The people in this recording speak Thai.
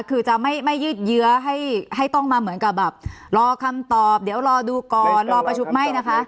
คือจะไม่ยืดเยื้อให้ต้องมาเหมือนกับแบบรอคำตอบเดี๋ยวรอดูก่อนรอประชุมไม่นะคะ